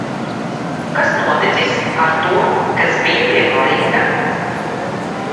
Kas noticis ar to, kas bija pie Borgina?